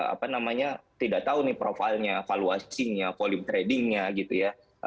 apa namanya tidak tahu nih profilnya valuasinya volume tradingnya gitu ya